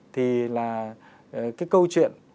thì là cái câu chuyện